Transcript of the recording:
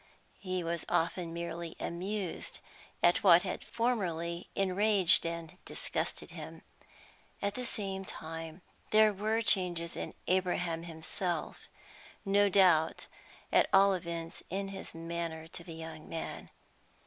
He was often merely amused at what had formerly enraged and disgusted him. At the same time, there were changes in Abraham himself, no doubt at all events in his manner to the young man.